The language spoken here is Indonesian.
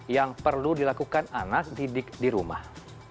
yang perlu dilakukan anak didik di rumah